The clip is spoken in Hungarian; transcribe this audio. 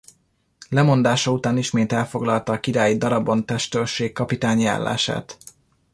Lemondása után ismét elfoglalta a királyi darabont-testőrség kapitányi állását.